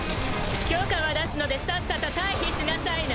許可は出すのでさっさと退避しなさいな。